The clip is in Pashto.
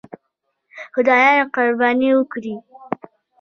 خدایانو قرباني وکړي.